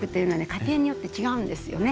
家庭によって違うんですよね。